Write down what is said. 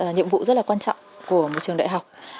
là nhiệm vụ rất là quan trọng của một trường đại học